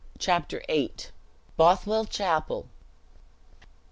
Chapter VIII. Bothwell Chapel.